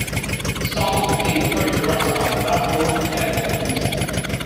Southard became the first director of the Baltimore Academy of Music.